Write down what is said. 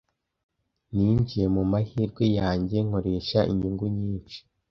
Ninjiye mumahirwe yanjye, nkoresha inyungu nyinshi,